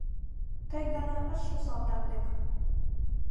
Ты гана ыш шу Салтан дек